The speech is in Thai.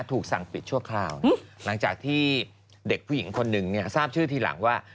ถูกสั่งปิดชั่วคราวหลังจากที่เด็กผู้หญิงคนหนึ่งเนี่ยทราบชื่อทีหลังว่า